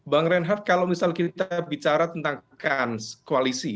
bang reinhard kalau misalnya kita bicara tentang kualisi